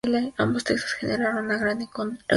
Ambos textos generaron una gran reacción en contra.